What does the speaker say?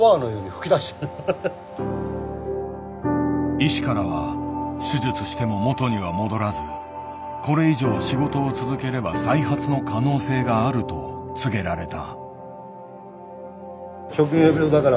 医師からは手術しても元には戻らずこれ以上仕事を続ければ再発の可能性があると告げられた。